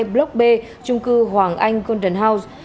block b trung cư hoàng anh golden house